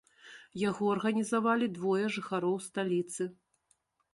Яго арганізавалі двое жыхароў сталіцы.